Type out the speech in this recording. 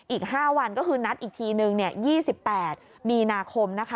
อีก๕วันก็คือนัดอีกทีนึง๒๘มีนาคม